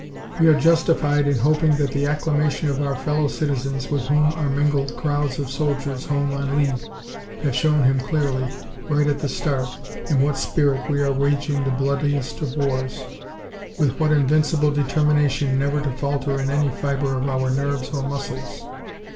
We are justified in hoping that the acclamation of our fellow citizens, with whom are mingled crowds of soldiers home on leave, have shown him clearly, right at the start, in what spirit we are waging the bloodiest of wars; with what invincible determination, never to falter in any fibre of our nerves or muscles.